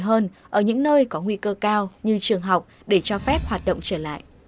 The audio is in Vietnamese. hơn ở những nơi có nguy cơ cao như trường học để cho phép hoạt động trở lại